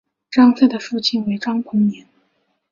张謇的父亲为张彭年。